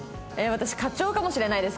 私課長かもしれないです